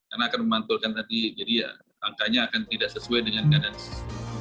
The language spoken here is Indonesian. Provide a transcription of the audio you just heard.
karena akan memantulkan tadi jadi ya angkanya akan tidak sesuai dengan kadensi